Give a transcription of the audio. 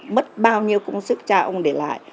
mất bao nhiêu công sức cha ông để lại